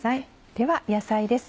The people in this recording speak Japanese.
では野菜です。